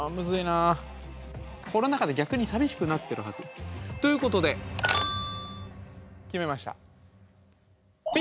コロナ禍で逆に寂しくなってるはず。ということで決めました。